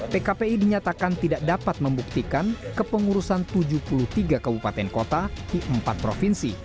pkpi dinyatakan tidak dapat membuktikan kepengurusan tujuh puluh tiga kabupaten kota di empat provinsi